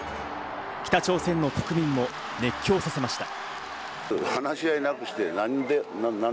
北朝鮮の国民を熱狂させました。